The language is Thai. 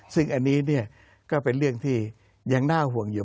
ซึ่งอันนี้ก็เป็นเรื่องที่ยังน่าห่วงอยู่